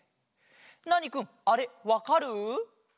ナーニくんあれわかる？